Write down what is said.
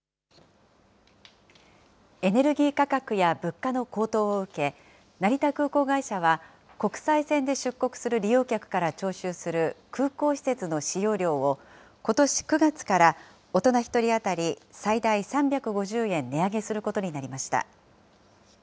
エネルギー価格や物価の高騰を受け、成田空港会社は、国際線で出国する利用客から徴収する空港施設の使用料を、ことし９月から大人１人当たり最大３５０円値上げすることになりました。